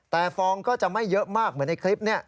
แต่ฟองก็จะไม่เยอะมากเหมือนในคลิปนี้